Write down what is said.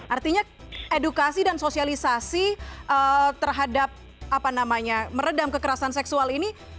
artinya edukasi dan sosialisasi terhadap meredam kekerasan seksual ini